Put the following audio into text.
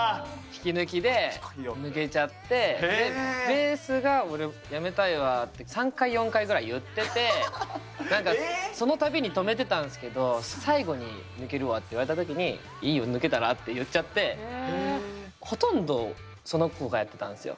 引き抜きで抜けちゃってでベースが「俺辞めたいわ」って３回４回ぐらい言ってて何かその度に止めてたんすけど最後に「抜けるわ」って言われた時に「いいよ抜けたら」って言っちゃってほとんどその子がやってたんすよ。